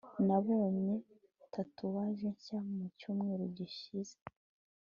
nabonye tatouage nshya mu cyumweru gishize